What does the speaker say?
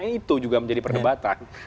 itu juga menjadi perdebatan